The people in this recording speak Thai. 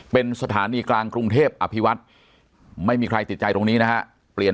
เป็นสถานีกลางกรุงเทพอภิวัตไม่มีใครติดใจตรงนี้นะฮะเปลี่ยน